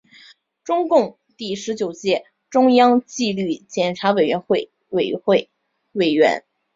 中共第十九届中央纪律检查委员会委员。